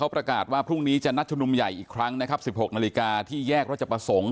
พรุ่งนี้จะนัดใหญ่อีกครั้งนะครับ๑๖นาฬิกาที่แยกแล้วจะประสงค์